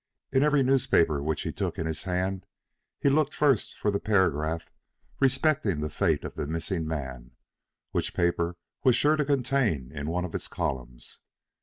In every newspaper which he took in his hand he looked first for the paragraph respecting the fate of the missing man, which the paper was sure to contain in one of its columns.